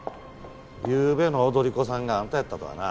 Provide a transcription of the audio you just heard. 夕べの踊り子さんがあんたやったとはな。